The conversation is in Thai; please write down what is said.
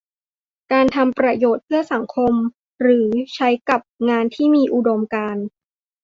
การทำประโยชน์เพื่อสังคม หรือใช้กับงานที่มีอุดมการณ์